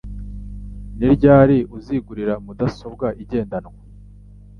Ni ryari uzigurira mudasobwa igendanwa?